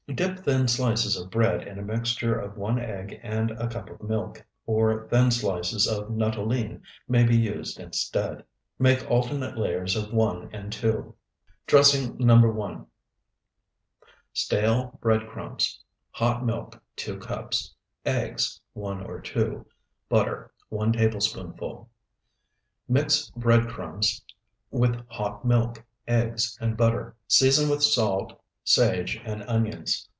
2. Dip thin slices of bread in a mixture of one egg and a cup of milk, or thin slices of nuttolene may be used instead. Make alternate layers of 1 and 2. DRESSING NO. 1 Stale bread crumbs. Hot milk, 2 cups. Eggs, 1 or 2. Butter, 1 tablespoonful. Mix bread crumbs with hot milk, eggs, and butter. Season with salt, sage, and onions.